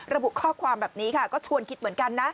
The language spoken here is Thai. ระบุข้อความแบบนี้ค่ะก็ชวนคิดเหมือนกันนะ